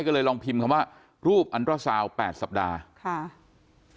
ก็เลยลองพิมพ์คำว่ารูปอันตราซาวแปดสัปดาห์ค่ะ